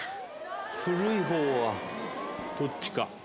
古い方はどっちか？